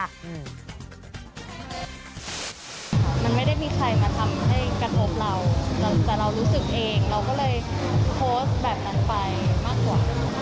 มันไม่ได้มีใครมาทำให้กระทบเราแต่เรารู้สึกเองเราก็เลยโพสต์แบบนั้นไปมากกว่า